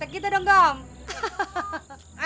ketek kita dong gome